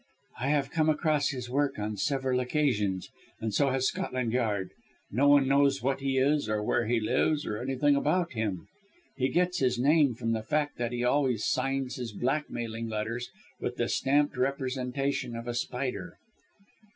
"I have come across his work on several occasions, and so has Scotland Yard. No one knows what he is or where he lives or anything about him. He gets his name from the fact that he always signs his blackmailing letters with the stamped representation of a spider."